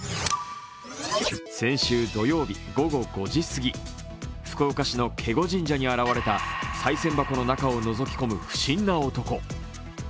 先週土曜日午後５時過ぎ、福岡市の警固神社に現れたさい銭箱の中をのぞき込む不審な男。